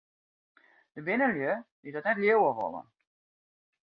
Der binne lju dy't dat net leauwe wolle.